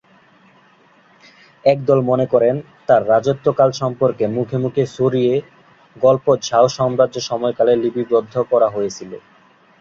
একদল মনে করেন, তার রাজত্বকাল সম্পর্কে মুখে মুখে ছড়িয়ে গল্প ঝাও সাম্রাজ্য সময়কালে লিপিবদ্ধ করা হয়েছিল।